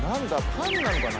パンなのかな？